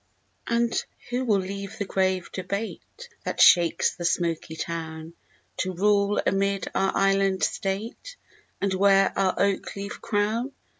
And who will leave the grave debate That shakes the smoky town, To rule amid our island state, And wear our oak leaf crown?